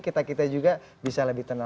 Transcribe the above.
kita kita juga bisa lebih tenang